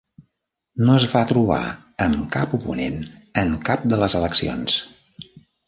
No es va trobar amb cap oponent en cap de les eleccions.